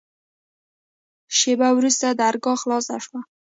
شېبه وروسته درګاه خلاصه سوه.